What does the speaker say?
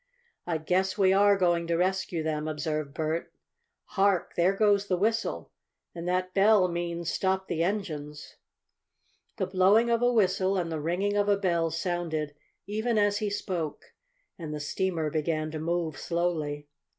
"I guess we are going to rescue them," observed Bert. "Hark! There goes the whistle! And that bell means stop the engines!" The blowing of a whistle and the ringing of a bell sounded even as he spoke, and the steamer began to move slowly.